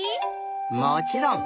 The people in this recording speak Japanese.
もちろん。